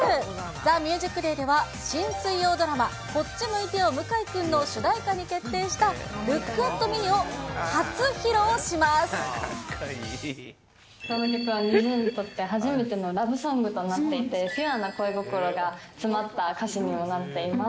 ＴＨＥＭＵＳＩＣＤＡＹでは、新水曜ドラマ、こっち向いてよ向井くんの主題歌に決定した、この曲は、ＮｉｚｉＵにとって初めてのラブソングとなっていて、ピュアな恋心が詰まった歌詞にもなっています。